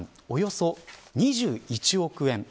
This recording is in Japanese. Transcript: およそ２１億円